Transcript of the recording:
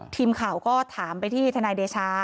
ทีมข่าวก็ถามไปที่ทนายเดชา